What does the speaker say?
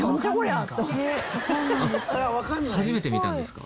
あっ初めて見たんですか？